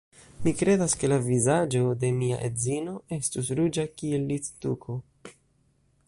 Mi kredas, ke la vizaĝo de mia edzino estus ruĝa kiel littuko.